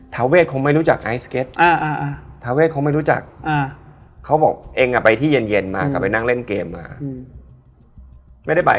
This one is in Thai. ถ้าไม่รู้พี่แจ๊รู้จักเป็นเกาะอันหนึ่ง